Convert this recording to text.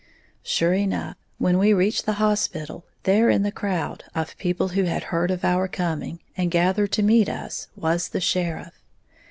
Sure enough, when we reached the hospital, there in the crowd of people who had heard of our coming and gathered to meet us, was the sheriff.